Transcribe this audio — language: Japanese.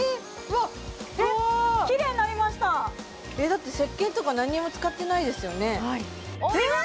わあキレイになりましただってせっけんとか何も使ってないですよねお見事！